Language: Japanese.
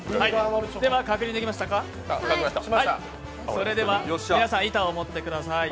それでは皆さん、板を持ってください。